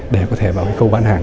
để có thể vào câu bán hàng